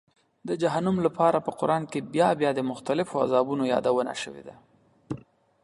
د جهنم لپاره په قرآن کې بیا بیا د مختلفو عذابونو یادونه شوې ده.